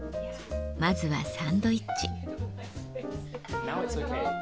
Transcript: まずはサンドイッチ。